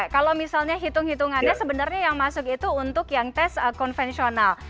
kalau misalnya hitung hitungannya sebenarnya yang masuk itu untuk yang tes konvensional